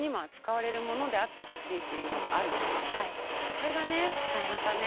それがねまたね